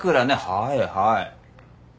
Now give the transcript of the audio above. はいはい。